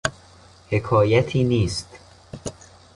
حکایتی نیست